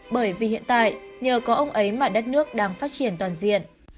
bởi vì hiện tại nhờ có ông ấy mà đất nước đang phát triển toàn diện